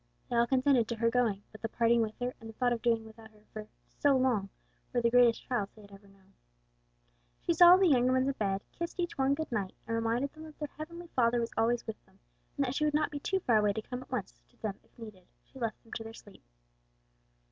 They all consented to her going, but the parting with her, and the thought of doing without her for "so long" were the greatest trials they had ever known. She saw all the younger ones in bed, kissed each one good night, and reminding them that their heavenly Father was always with them, and that she would not be too far away to come at once to them if needed, she left them to their sleep.